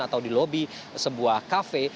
atau di lobi sebuah kafe